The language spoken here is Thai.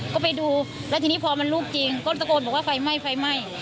ก็ไปดูแล้วทีนี้พอมันลูกจริงก็ตะโกนบอกว่าไฟไหม้ไฟไหม้